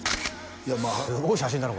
すごい写真だな